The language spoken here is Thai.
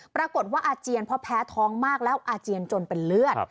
ปรากฏว่าอาเจียนเพราะแพ้ท้องมากแล้วอาเจียนจนเป็นเลือด